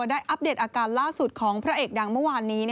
อัปเดตอาการล่าสุดของพระเอกดังเมื่อวานนี้